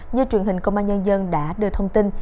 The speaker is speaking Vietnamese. như truyền hình công an nhân dân đã đưa thông tin